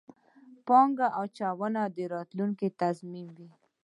پانګه اچونه، راتلونکی تضمینوئ